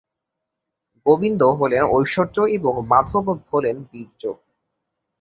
গোবিন্দ হলেন ঐশ্বর্য এবং মাধব হলেন বীর্য।